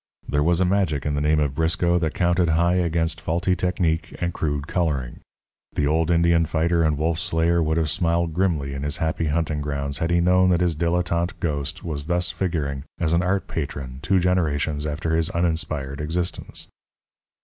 There was a magic in the name of Briscoe that counted high against faulty technique and crude colouring. The old Indian fighter and wolf slayer would have smiled grimly in his happy hunting grounds had he known that his dilettante ghost was thus figuring as an art patron two generations after his uninspired existence.